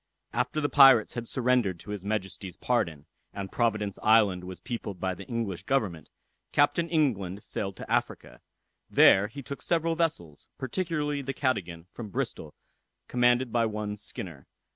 After the pirates had surrendered to his Majesty's pardon, and Providence island was peopled by the English government, Captain England sailed to Africa. There he took several vessels, particularly the Cadogan, from Bristol, commanded by one Skinner.